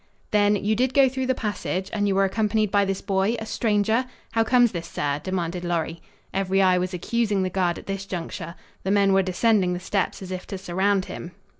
"Then, you did go through the passage? And you were accompanied by this boy, a stranger? How comes this, sir?" demanded Lorry. Every eye was accusing the guard at this juncture. The men were descending the steps as if to surround him.